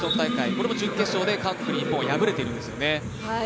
これも準決勝で韓国に敗れているんですね。